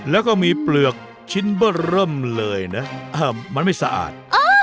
แล้วก็มีเปลือกชิ้นเบอร์เริ่มเลยนะมันไม่สะอาด